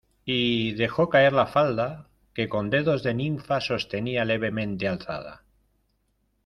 y dejó caer la falda, que con dedos de ninfa sostenía levemente alzada.